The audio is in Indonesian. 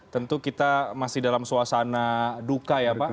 tentu kita masih dalam suasana duka ya pak